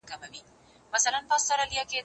هغه وويل چي سينه سپين مهمه ده